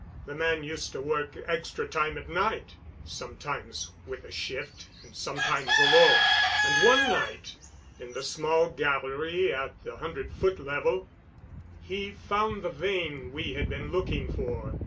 The man used to work extra time at night, sometimes with a shift and sometimes alone. And one night in the small gallery at the hundred foot level he found the vein we had been looking for.